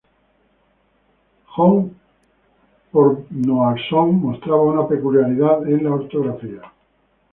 Jón Þórðarson mostraba una peculiaridad en la ortografía.